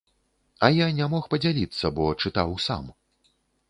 А я не мог падзяліцца, бо чытаў сам.